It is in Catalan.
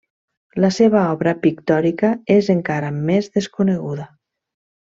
La seva obra pictòrica és encara més desconeguda.